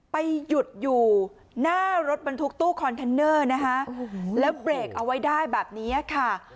ไปหยุดอยู่หน้ารถบรรทุกตู้คอนเทนเนอร์นะคะแล้วเบรกเอาไว้ได้แบบนี้ค่ะ